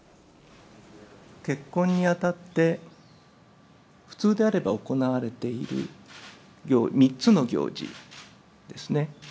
結婚にあたって、普通であれば行われている３つの行事ですね。